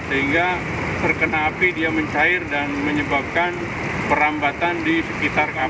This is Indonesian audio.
sehingga terkena api dia mencair dan menyebabkan perambatan di sekitar kawasan